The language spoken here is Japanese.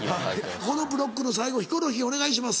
このブロックの最後ヒコロヒーお願いします。